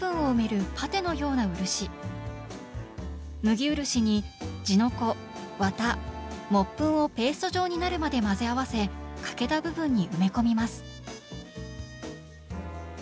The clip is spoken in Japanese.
麦漆に地の粉綿木粉をペースト状になるまで混ぜ合わせ欠けた部分に埋め込みます。